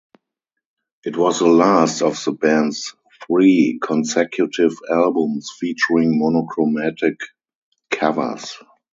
It was the last of the band's three consecutive albums featuring monochromatic covers.